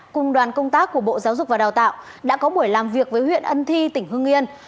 cùng đoàn công tác của bộ giáo dục và đào tạo đã có buổi làm việc với huyện ân thi tỉnh hương yên